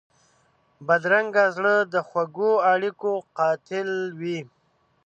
بدرنګه زړه د خوږو اړیکو قاتل وي